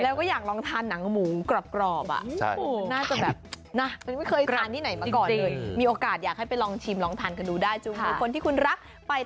แล้วก็อยากลองทานหนังหมูกรอบ